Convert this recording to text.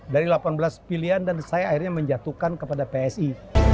dari delapan belas pilihan dan saya akhirnya menjatuhkan kepada psi